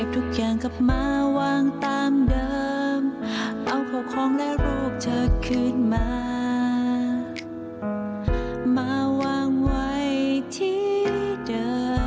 ที่มองไปแล้วเหมือนยังมีเธอ